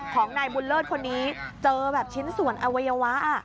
ของนายบุญเลิศคนนี้เจอแบบชิ้นส่วนอวัยวะ